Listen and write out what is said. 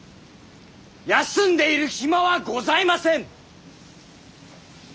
休んでいる暇はございません！